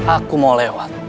aku mau lewat